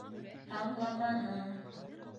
Аңламаның...